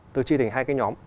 tôi tri thành hai cái nhóm